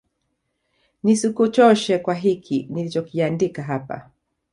nisikuchoshe kwa hiki nilichokiandika hapa